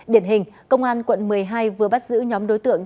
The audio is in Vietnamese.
điển hình công an quận một mươi hai vừa bắt giữ nhóm đối tượng